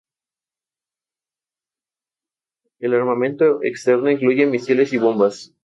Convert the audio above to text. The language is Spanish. La estructura de datos divide el espacio de forma jerárquica en conjuntos, posiblemente superpuestos.